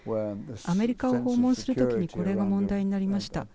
アメリカを訪問する時にこれが問題になりました。